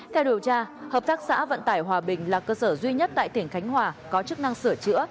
theo điều tra hợp tác xã vận tải hòa bình là cơ sở duy nhất tại tỉnh khánh hòa có chức năng sửa chữa